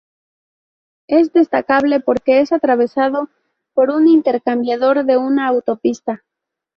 Es destacable porque es atravesado por un intercambiador de una autopista.